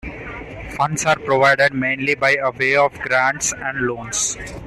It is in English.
Funds are provided mainly by a way of Grants and Loans.